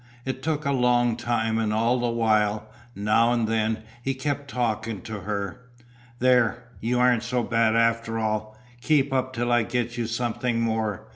It took a long time and all the while, now and then, he kept talking to her. "There. Y'aren't so bad after all keep up till I get you something more.